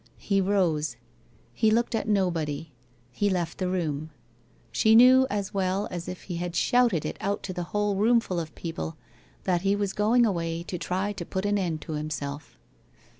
He rose. He looked at nobody. He left the room. She knew as well as if he had shouted it out to the whole roomful of people that he was going away to try to put an end to himself.